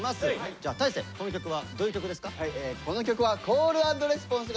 じゃあ大晴この曲はどういう曲ですか？